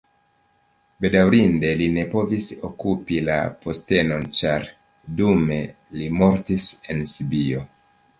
Bedaŭrinde li ne povis okupi la postenon, ĉar dume li mortis en Sibio.